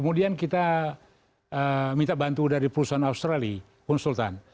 kemudian kita minta bantu dari perusahaan australia konsultan